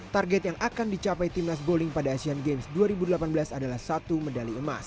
target yang akan dicapai timnas bowling pada asian games dua ribu delapan belas adalah satu medali emas